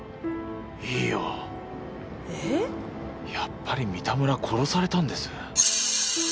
やっぱり三田村殺されたんです。